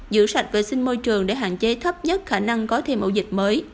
giữ sạch vệ sinh môi trường để hạn chế thấp nhất khả năng có thêm ổ dịch mới